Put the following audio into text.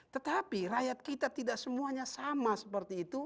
tetapi rakyat kita tidak semuanya sama seperti itu